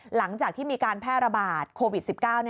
หลังจากที่มีการแพร่ระบาดโควิด๑๙